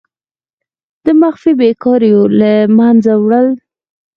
د مخفي بیکاریو له منځه وړل.